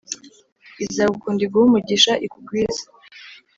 Izagukunda iguhe umugisha ikugwize